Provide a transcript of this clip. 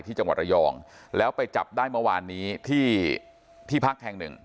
ที่จังหวัดระยองแล้วไปจับได้เมื่อวานนี้ที่ที่พักแห่งหนึ่ง